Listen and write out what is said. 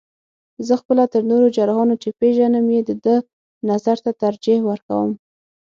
زه خپله تر نورو جراحانو، چې پېژنم یې د ده نظر ته ترجیح ورکوم.